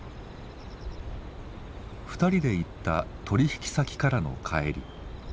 ２人で行った取引先からの帰り。